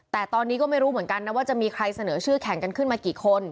แต่ตอนนี้ก็ไม่รู้เหมือนกันนะว่าจะมีใครเสนอชื่อแข่งกันขึ้นมากี่คน